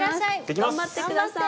頑張って下さい！